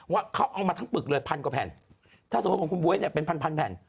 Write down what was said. ว่าเขาเอามาทั้งปึกเลยพันกว่าแผนถ้าสมมติว่าคุณบ๊วยเป็นพันแผน